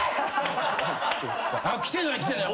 来てない来てない。